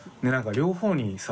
両方にさ